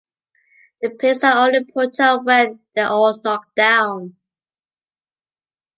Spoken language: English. The pins are only put up when they are all knocked down.